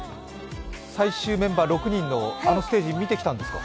最終メンバー６人のあのステージを見てきたんですか？